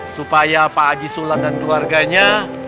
supaya pak haji sulat dan keluarganya